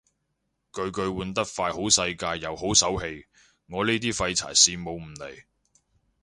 巨巨換得快好世界又好手氣，我呢啲廢柴羨慕唔嚟